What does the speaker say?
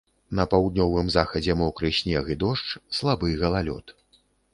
На паўднёвым захадзе мокры снег і дождж, слабы галалёд.